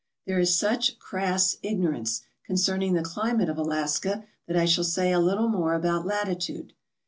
There is such crass ignorance concerning the climate of Alaska that I shall say a little more about latitude.